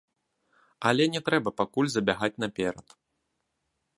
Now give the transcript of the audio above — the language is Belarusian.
Але не трэба пакуль забягаць наперад.